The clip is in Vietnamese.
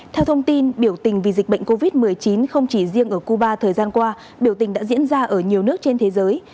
theo thông tin biểu tình vì dịch bệnh covid một mươi chín không chỉ riêng ở cuba thời gian qua biểu tình đã diễn ra ở nhiều nước trên thế giới